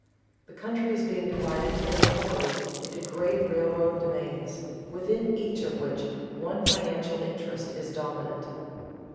The country is being divided territorially into great railroad domains, within each of which one financial interest is dominant.